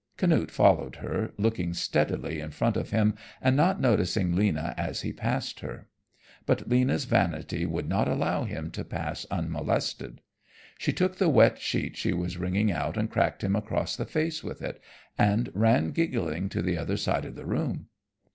Canute followed her, looking steadily in front of him and not noticing Lena as he passed her. But Lena's vanity would not allow him to pass unmolested. She took the wet sheet she was wringing out and cracked him across the face with it, and ran giggling to the other side of the room.